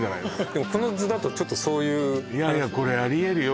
これこの図だとちょっとそういういやいやこれあり得るよ